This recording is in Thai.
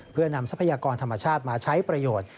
เพื่อนำทรัพยากรธรรมชาติมาใช้ประโยชน์